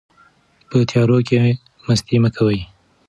په تیارو کې مستي مه کوئ.